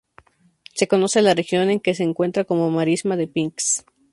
Se conoce a la región en que se encuentra como "marisma de Pinsk".